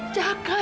jangan hukum dia